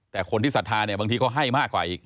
แต่คนที่สัทธาบางทีเขาให้มากกว่าอีก